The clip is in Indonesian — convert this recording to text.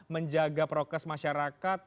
menjaga progres masyarakat